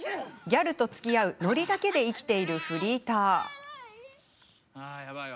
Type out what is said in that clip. ギャルとつきあうノリだけで生きているフリーター。